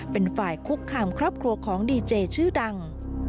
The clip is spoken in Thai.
เป็นฝ่ายคุกคามครอบครัวของดีเจชื่อดัง